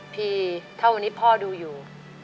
พี่ถ้าวันนี้พ่อดูอยู่